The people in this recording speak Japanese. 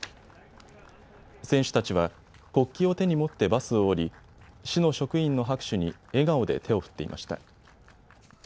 選手たちは国旗を手に持ってバスを降り市の職員の拍手に笑顔で手を振っていました。